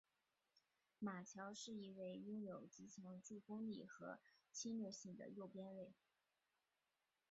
马乔是一位拥有极强助攻力和侵略性的右边卫。